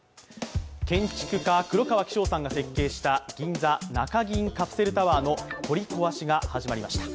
建築家・黒川紀章さんが設計した銀座・中銀カプセルタワーの取り壊しが始まりました。